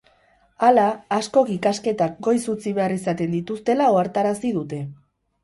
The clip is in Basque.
Hala, askok ikasketak goiz utzi behar izaten dituztela ohartarazi dute.